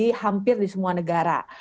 ini sudah hampir di semua negara